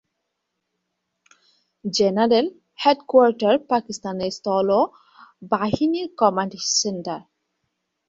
General headquarter পাকিস্তানের স্থল বাহিনীর কমান্ড সেন্টার।